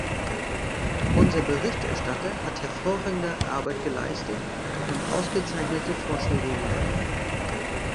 Unser Berichterstatter hat hervorragende Arbeit geleistet und ausgezeichnete Vorschläge gemacht.